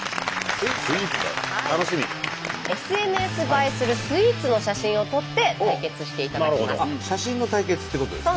ＳＮＳ映えするスイーツの写真を撮って対決していただきます。